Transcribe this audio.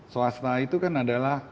swasta itu kan adalah